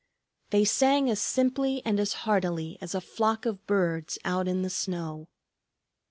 They sang as simply and as heartily as a flock of birds out in the snow.